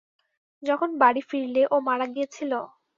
যখন বাড়ি ফিরলে ও মারা গিয়েছিল?